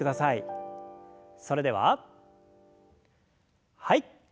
それでははい。